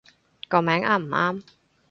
個名啱唔啱